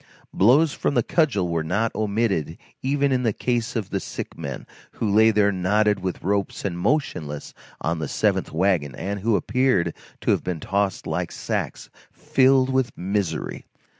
Blows from the cudgel were not omitted even in the case of the sick men, who lay there knotted with ropes and motionless on the seventh wagon, and who appeared to have been tossed there like sacks filled with misery.